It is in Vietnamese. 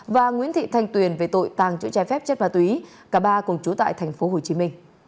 và nguyễn thị thanh tuyền về tội tàng trữ trái phép chất ma túy cả ba cùng chú tại tp hcm